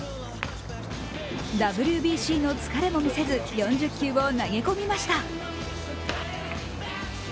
ＷＢＣの疲れも見せず、４０球を投げ込みました。